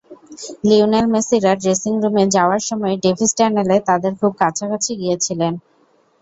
Lionel মেসিরা ড্রেসিংরুমে যাওয়ার সময় ডেভিস টানেলে তাঁদের খুব কাছাকাছি গিয়েছিলেন।